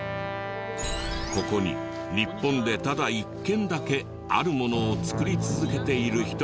ここに日本でただ１軒だけあるものを作り続けている人がいた。